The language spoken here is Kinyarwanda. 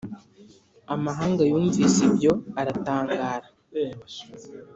Amahanga yumvise ibyo aratangara.